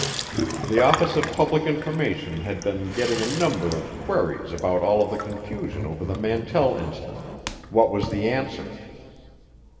The Office of Public Information had been getting a number of queries about all of the confusion over the Mantell Incident. What was the answer?